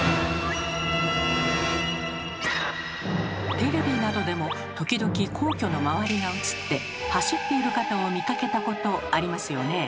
テレビなどでも時々皇居の周りが映って走っている方を見かけたことありますよね。